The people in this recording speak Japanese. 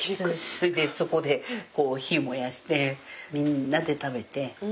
そこで火燃やしてみんなで食べて。